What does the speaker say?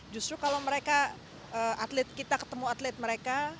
justru kalau mereka atlet kita ketemu atlet mereka